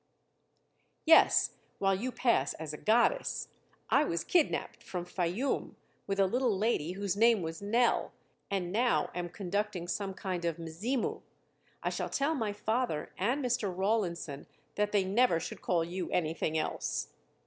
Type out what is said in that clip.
"Yes, while you pass as a goddess. I was kidnapped from Fayûm with a little lady whose name was Nell, and now am conducting some kind of Mzimu. I shall tell my father and Mr. Rawlinson that they never should call you anything else."